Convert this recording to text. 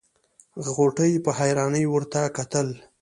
غوټۍ په حيرانۍ ورته کتل.